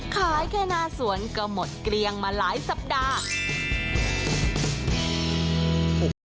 แค่หน้าสวนก็หมดเกลี้ยงมาหลายสัปดาห์